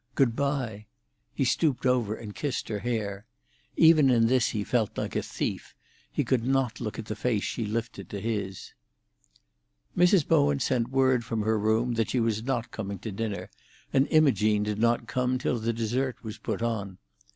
Good bye." He stooped over and kissed her hair. Even in this he felt like a thief; he could not look at the face she lifted to his. Mrs. Bowen sent word from her room that she was not coming to dinner, and Imogene did not come till the dessert was put on.